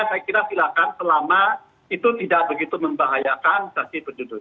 saya kira silakan selama itu tidak begitu membahayakan saksi berjudul